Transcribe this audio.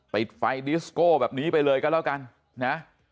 ไปไฟดิสโกแบบนี้ไปเลยกันแล้วกัน